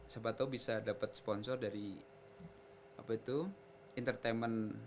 siapa tau bisa dapat sponsor dari apa itu entertainment